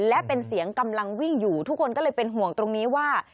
และเป็นเสียงกำลังวิ่งอยู่ทุกคนก็เลยเป็นห่วงตรงนี้ว่า